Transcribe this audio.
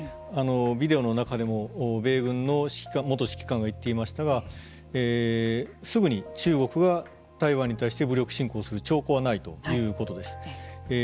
ビデオの中でも米軍の元指揮官が言っていましたがすぐに中国が台湾に対して武力侵攻する兆候はないということです。